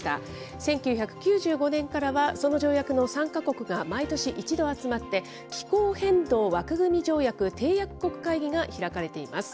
１９９５年からはその条約の参加国が毎年一度集まって、気候変動枠組条約締約国会議が開かれています。